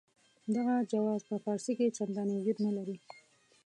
دغه جواز په فارسي کې چنداني وجود نه لري.